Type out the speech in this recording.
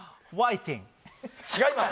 違います！